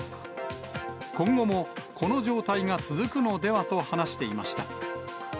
今後もこの状態が続くのではと話していました。